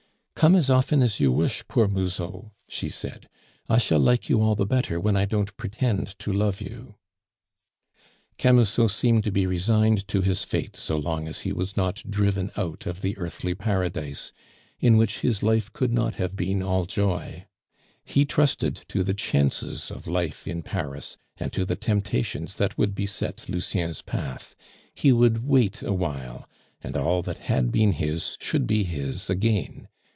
"Come as often as you wish, poor Musot," she said; "I shall like you all the better when I don't pretend to love you." Camusot seemed to be resigned to his fate so long as he was not driven out of the earthly paradise, in which his life could not have been all joy; he trusted to the chances of life in Paris and to the temptations that would beset Lucien's path; he would wait a while, and all that had been his should be his again.